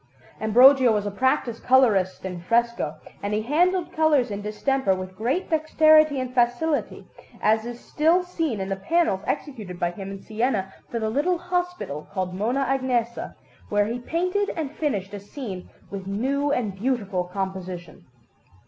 Ambrogio was a practised colourist in fresco, and he handled colours in distemper with great dexterity and facility, as it is still seen in the panels executed by him in Siena for the little hospital called Mona Agnesa, where he painted and finished a scene with new and beautiful composition.